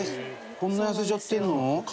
こんな痩せちゃってるの？